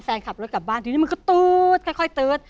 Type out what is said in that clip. ทีนี้มันก็ตื๊ดค่อยตื๊ด